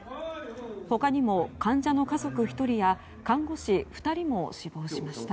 他にも患者の家族１人や看護師２人も死亡しました。